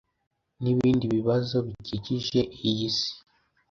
n'ibindi bibazo bikikije iyi si.